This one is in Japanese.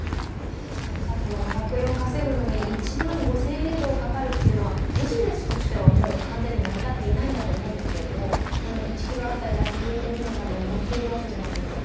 確かに１００円を稼ぐのに１万５０００円以上かかるというのはビジネスとしては完全に成り立っていないんだと思うんですけど１ｋｍ当たり８５人の方乗っているわけじゃないですか。